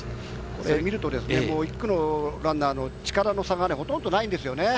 見ると１区のランナーの力の差がほとんどないんですよね。